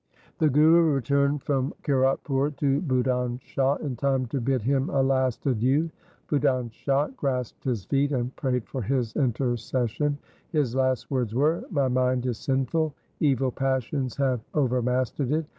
The Guru returned from Kiratpur to Budhan Shah in time to bid him a last adieu. Budhan Shah LIFE OF GURU HAR GOBIND 215 grasped his feet and prayed for his intercession. His last words were, ' My mind is sinful, evil passions have overmastered it.